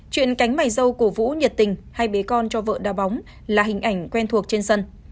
chuyện cánh mày dâu của vũ nhiệt tình hay bế con cho vợ đá bóng là hình ảnh quen thuộc trên sân